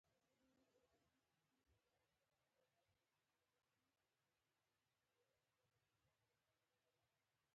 خو شرط داده چې د طالبانو ضد مبارزه له ابهامونو پاکه شي